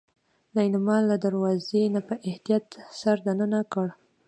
ليلما له دروازې نه په احتياط سر دننه کړ.